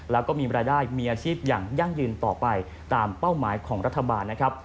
แล้วก็มีรายได้มีอาชีพอย่างยั่งยืนต่อไปตามเป้าหมายของรัฐบาลนะครับ